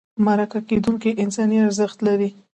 مرکه کېدونکی انساني ارزښت لري.